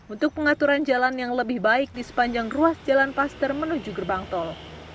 untuk pengaturan jalan yang lebih baik di sepanjang ruas jalan paster menuju gerbang tol